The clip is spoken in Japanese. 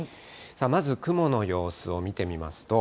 まず、雲の様子を見てみますと。